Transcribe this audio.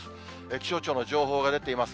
気象庁の情報が出ています。